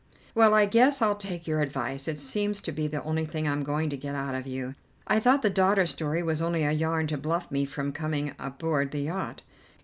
"Well, I guess I'll take your advice; it seems to be the only thing I'm going to get out of you. I thought the daughter story was only a yarn to bluff me from coming aboard the yacht."